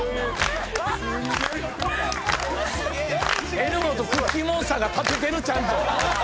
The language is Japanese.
エルモとクッキーモンスターが立ててるちゃんと。